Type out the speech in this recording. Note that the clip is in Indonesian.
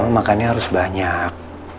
kamu makannya harus banyak